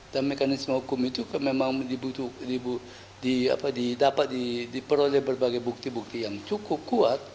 dan mekanisme hukum itu memang didapat diperoleh berbagai bukti bukti yang cukup kuat